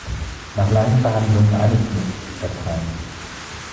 Nach langen Verhandlungen einigten sich die Parteien.